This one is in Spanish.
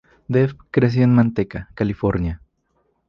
Dev creció en Manteca, California.